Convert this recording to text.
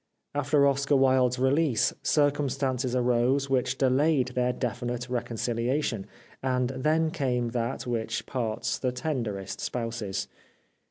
After Oscar Wilde's release circumstances arose which delayed their definite reconciliation, and then came that which parts the tenderest spouses.